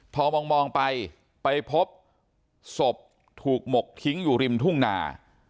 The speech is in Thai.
พอมองไปไปพบศพถูกหมกทิ้งอยู่ริมทุ่งนา